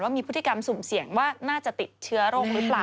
มีพฤติกรรมสุ่มเสี่ยงว่าน่าจะติดเชื้อโรคหรือเปล่า